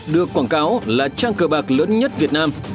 được quảng cáo là trang cờ bạc lớn nhất việt nam